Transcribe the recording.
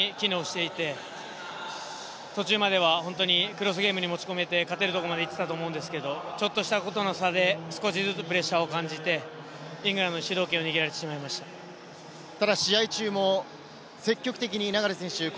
ゲームプランは機能していて、途中までは本当にクロスゲームに持ち込めて勝てるところまで行っていたと思うんですけれど、ちょっとしたことの差で少しずつプレッシャーを感じて、イングランドに主導権を握られてしまいまパパ。